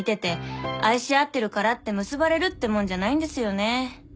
愛し合ってるからって結ばれるってもんじゃないんですよね。